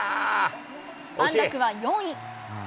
安楽は４位。